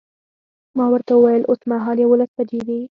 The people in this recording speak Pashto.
ما ورته وویل اوسمهال یوولس بجې دي.